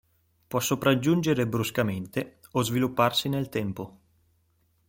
Può sopraggiungere bruscamente o svilupparsi nel tempo.